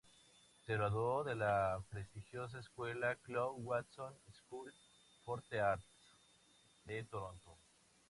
Se graduó de la prestigiosa escuela "Claude Watson School for the Arts" de Toronto.